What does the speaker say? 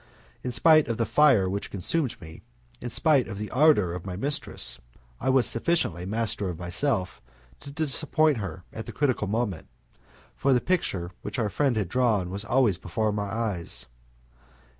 In spite of the fire which consumed me, in spite of the ardour of my mistress, I was sufficiently master of myself to disappoint her at the critical moment, for the picture which our friend had drawn was always before my eyes.